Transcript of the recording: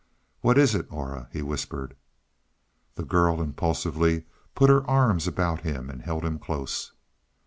"What is it, Aura?" he whispered. The girl impulsively put her arms about him and held him close.